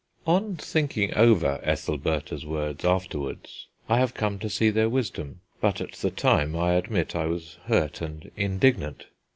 On thinking over Ethelbertha's words afterwards, have come to see their wisdom; but at the time I admit I was hurt and indignant.